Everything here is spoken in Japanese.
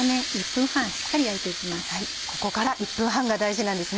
ここから１分半が大事なんですね。